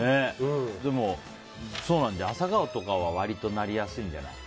でもアサガオとかは割となりやすいんじゃない。